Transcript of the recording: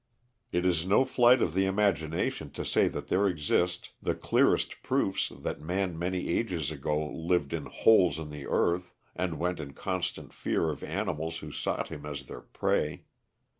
It is no flight of the imagination to say that there exist the clearest proofs that man many ages ago lived in "holes in the earth," and went in constant fear of animals who sought him as their prey.